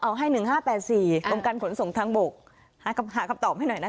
เอาให้๑๕๘๔กรมการขนส่งทางบกหาคำตอบให้หน่อยนะคะ